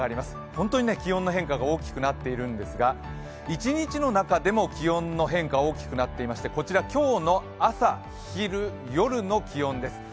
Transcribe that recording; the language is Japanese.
本当に気温の変化が大きくなっているんですが一日の中でも気温の変化が大きくなっていましてこちら今日の朝、昼、夜の気温です。